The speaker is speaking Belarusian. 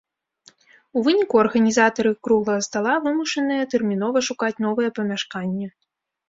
У выніку, арганізатары круглага стала вымушаныя тэрмінова шукаць новае памяшканне.